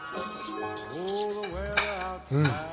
うん。